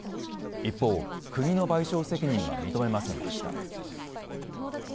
一方、国の賠償責任は認めませんでした。